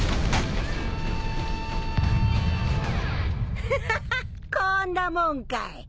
フハハッこんなもんかい。